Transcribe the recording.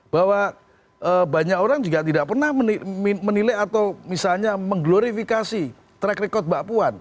bahwa banyak orang juga tidak pernah menilai atau misalnya mengglorifikasi track record mbak puan